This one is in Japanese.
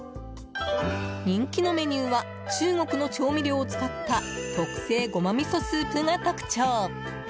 人気のメニューは中国の調味料を使った特製ゴマみそスープが特徴。